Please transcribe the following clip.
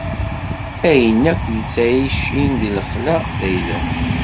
Ayen akk yettɛicin di lexla, d ayla-w.